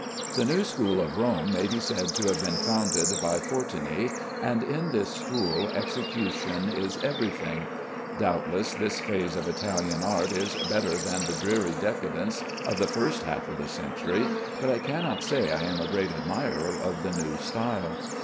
The new school of Rome may be said to have been founded by Fortuny, and in this school execution is every thing. Doubtless this phase of Italian art is better than the dreary decadence of the first half of the century, but I cannot say I am a great admirer of the new style.